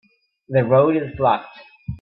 The road is blocked.